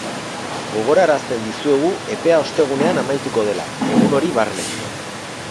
Gogorarazten dizuegu epea ostegunean amaituko dela, egun hori barne.